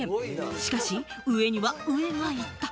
しかし、上には上がいた。